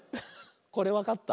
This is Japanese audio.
これわかった？